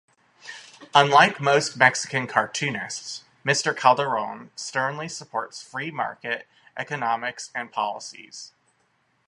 Unlike most Mexican cartoonists, Mr. Calderon sternly supports free market economics and policies.